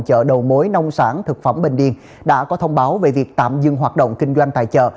chợ đầu mối nông sản thực phẩm bình điền đã có thông báo về việc tạm dừng hoạt động kinh doanh tại chợ